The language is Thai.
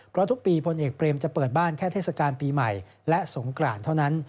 เพราะทุกปีพลเอกเบรมจะเปิดบ้านแค่เทศกาลปีใหม่และสงกรานเท่านั้น